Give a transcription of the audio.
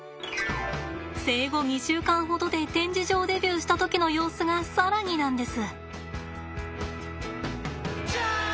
生後２週間ほどで展示場デビューした時の様子が更になんです。